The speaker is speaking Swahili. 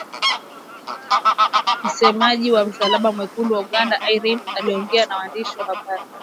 Msemaji wa Msalaba Mwekundu wa Uganda Irene Nakasita aliongea na waandishi wa habari.